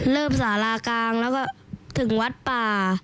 สารากลางแล้วก็ถึงวัดป่า